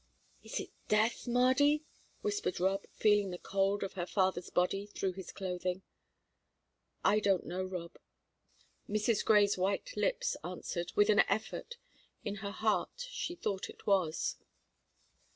"Is it death, Mardy?" whispered Rob, feeling the cold of her father's body through his clothing. "I don't know, Rob," Mrs. Grey's white lips answered, with an effort; in her heart she thought it was.